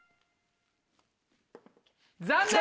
残念！